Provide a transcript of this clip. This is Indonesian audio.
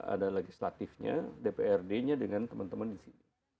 ada legislatifnya dprd nya dengan teman teman di sini